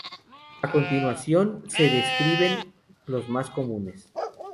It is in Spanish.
A continuación se describen los más comunes.